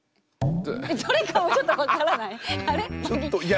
どれかちょっとわからない。